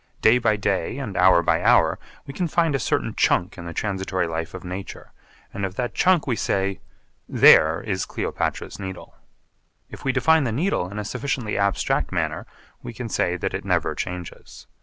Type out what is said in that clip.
Day by day and hour by hour we can find a certain chunk in the transitory life of nature and of that chunk we say, 'There is Cleopatra's Needle.' If we define the Needle in a sufficiently abstract manner we can say that it never changes.